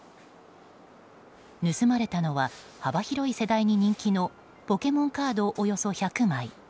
盗まれたのは幅広い世代に人気のポケモンカードおよそ１００枚。